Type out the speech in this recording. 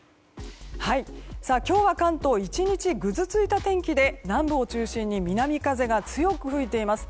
今日は関東１日ぐずついた天気で南部を中心に南風が強く吹いています。